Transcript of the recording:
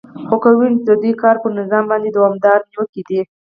خو که ووینو چې د دوی کار پر نظام باندې دوامدارې نیوکې دي